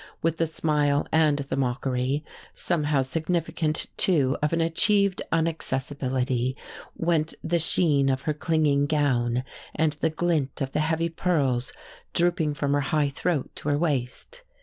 With the smile and the mockery somehow significant, too, of an achieved inaccessibility went the sheen of her clinging gown and the glint of the heavy pearls drooping from her high throat to her waist.